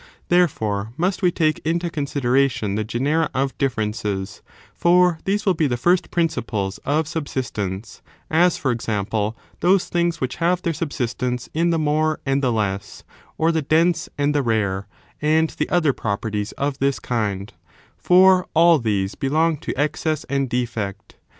Therefore, must we take into consideration the genera of differences, for these will be the first principles of sub sistence ; as, for example, those things which have their sub sistence in the more and the less, or the dense and the rare, and the other properties of this ^nd; for all these belong to excess and defect.